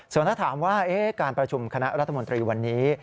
ส่วนถ้าถามว่าการประชุมคณะรัฐมนตรีวันนี้